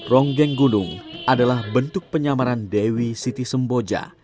ronggeng gunung adalah bentuk penyamaran dewi siti semboja